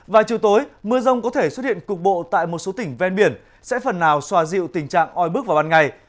và chiều tối mưa rông có thể xuất hiện cục bộ tại một số tỉnh ven biển sẽ phần nào xoa dịu tình trạng oi bức vào ban ngày